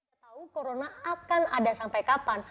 kita tahu corona akan ada sampai kapan